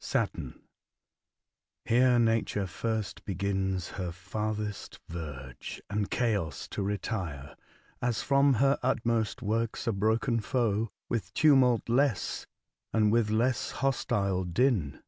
SATURN. Here Nature first begins Her farthest verge and chaos to retire, As from her outmost works a broken foe "With tumult less and with less hostile din.